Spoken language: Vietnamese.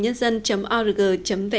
xin kính chào và xin hẹn gặp lại